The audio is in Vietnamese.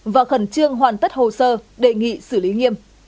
và khẩn trương hoàn tất hồ sơ đề nghị xử lý nghiêm